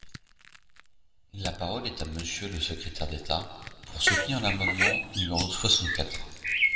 La parole est à Monsieur le secrétaire d’État, pour soutenir l’amendement numéro soixante-quatre.